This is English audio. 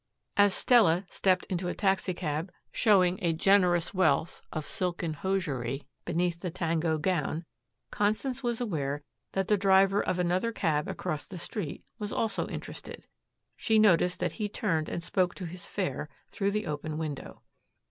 As Stella stepped into a taxicab, showing a generous wealth of silken hosiery beneath the tango gown, Constance was aware that the driver of another cab across the street was also interested. She noticed that he turned and spoke to his fare through the open window.